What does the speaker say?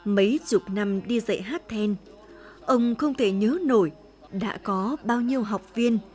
mấy chục năm đi dạy hát then ông không thể nhớ nổi đã có bao nhiêu học viên